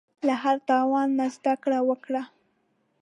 له هر تاوان نه زده کړه وکړه.